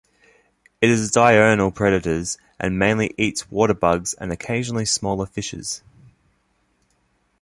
It is a diurnal predators and mainly eats water bugs and occasionally smaller fishes.